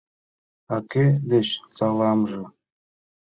— А кӧ деч саламже?